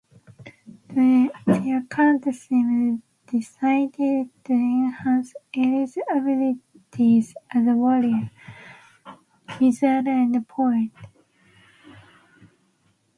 The account seems designed to enhance Egill's abilities as a warrior, wizard, and poet.